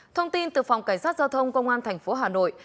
thông tin từ phòng cảnh sát giao thông công an thành phố hà nội